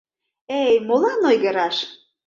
— Эй, молан ойгыраш!